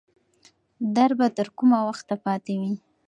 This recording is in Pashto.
درد به تر کومه وخته پاتې وي؟